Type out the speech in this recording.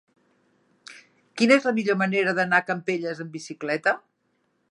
Quina és la millor manera d'anar a Campelles amb bicicleta?